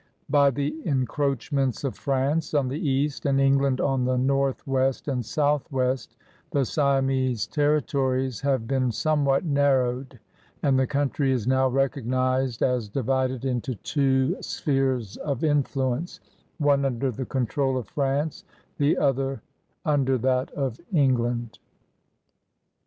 By the encroachments of France on the east and England on the northwest and southwest, the Siamese terri tories have been somewhat narrowed ; and the country is now recognized as divided into two "spheres of influence," one under the control of France, the other under that of England.